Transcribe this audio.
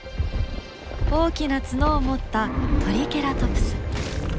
大きな角を持ったトリケラトプス。